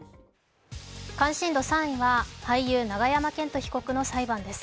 関心度３位は俳優・永山絢斗被告の裁判です。